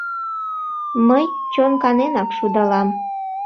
— Мый чон каненак шудалам.